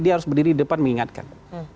dia harus berdiri di depan mengingatkan